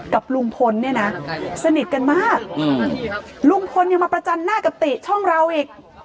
กับลุงพลเนี่ยนะสนิทกันมากลุงพลยังมาประจันหน้ากับติช่องเราอีก